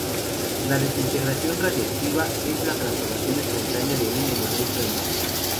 La desintegración radiactiva es la transformación espontánea de un elemento en otro.